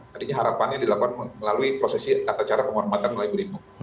tadinya harapannya dilakukan melalui prosesi kata cara penghormatan melalui primum